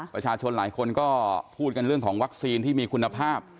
ประชาชนหลายคนก็พูดกันเรื่องของวัคซีนที่มีคุณภาพ